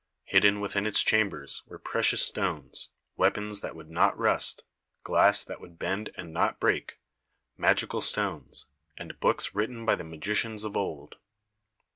Hidden within its chambers were pre cious stones, weapons that would not rust, glass that would bend and not break, magical stones, and books written by the magicians of old.